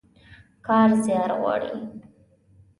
کار زيار غواړي.